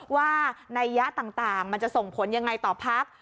ว่านัยยะต่างมันจะส่งผลยังไงต่อพัก